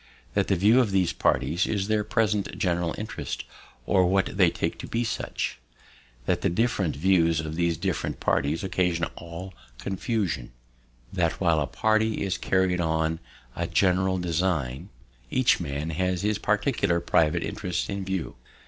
"That the view of these parties is their present general interest, or what they take to be such. "That the different views of these different parties occasion all confusion. "That while a party is carrying on a general design, each man has his particular private interest in view.